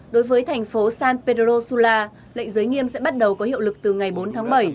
đối với thành phố san peru sula lệnh giới nghiêm sẽ bắt đầu có hiệu lực từ ngày bốn tháng bảy